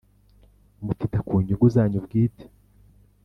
Mutita ku nyungu zanyu bwite